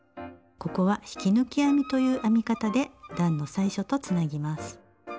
ここは引き抜き編みという編み方で段の最初とつなぎます。